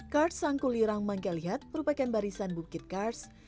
kars sangku lirang mangkalihat merupakan barisan bukit kars